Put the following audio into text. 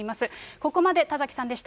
ここまで田崎さんでした。